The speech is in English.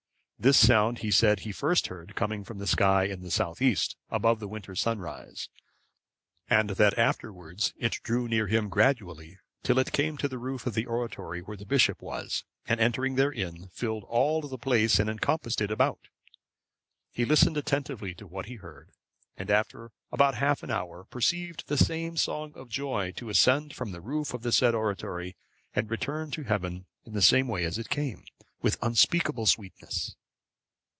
This sound he said he first heard coming from the sky in the south east, above the winter sunrise, and that afterwards it drew near him gradually, till it came to the roof of the oratory where the bishop was, and entering therein, filled all the place and encompassed it about. He listened attentively to what he heard, and after about half an hour, perceived the same song of joy to ascend from the roof of the said oratory, and to return to heaven in the same way as it came, with unspeakable sweetness.